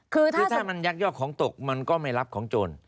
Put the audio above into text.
คือถ้ามันยักยอกของตกมันก็ไม่รับของโจร